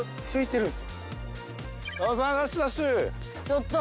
ちょっと。